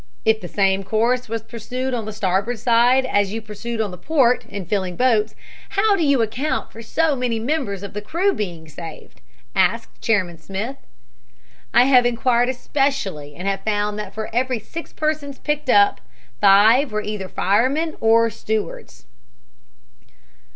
"If the same course was pursued on the starboard side as you pursued on the port, in filling boats, how do you account for so many members of the crew being saved?" asked Chairman Smith. "I have inquired especially and have found that for every six persons picked up, five were either firemen or stewards."